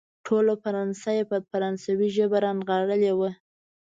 ټوله فرانسه يې په فرانسوي ژبه رانغاړلې وه.